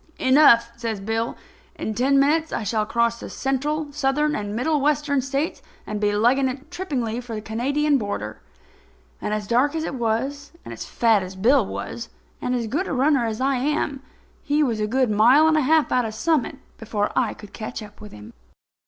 "Enough," says Bill. "In ten minutes I shall cross the Central, Southern and Middle Western States, and be legging it trippingly for the Canadian border." And, as dark as it was, and as fat as Bill was, and as good a runner as I am, he was a good mile and a half out of Summit before I could catch up with him.